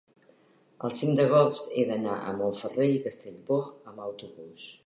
el cinc d'agost he d'anar a Montferrer i Castellbò amb autobús.